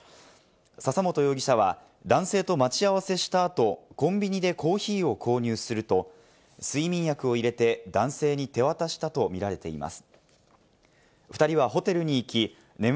笹本容疑者は男性と待ち合わせした後、コンビニでコーヒーを購入すると睡眠薬を入れて男性に手渡したとみられています。